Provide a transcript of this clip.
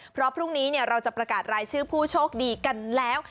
เพราะพรุ่งนี้เราจะประกาศรายชื่อผู้โชคดีกันแล้ว